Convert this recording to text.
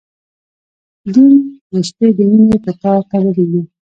دین رشتې د مینې په تار تړلي یو.